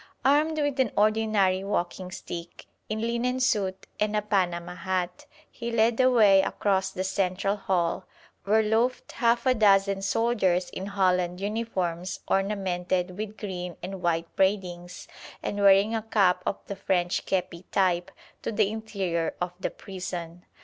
Armed with an ordinary walking stick, in linen suit and a panama hat, he led the way across the central hall, where loafed half a dozen soldiers in holland uniforms ornamented with green and white braidings and wearing a cap of the French kepi type, to the interior of the prison.